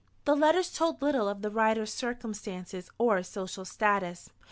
The letters told little of the writer's circumstances or social status.